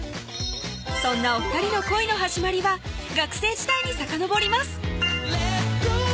そんなお２人の恋の始まりは学生時代にさかのぼります